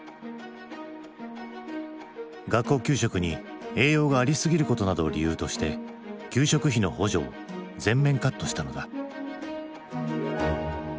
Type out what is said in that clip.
学校給食に栄養がありすぎることなどを理由として給食費の補助を全面カットしたのだ。